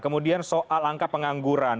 kemudian soal angka pengangguran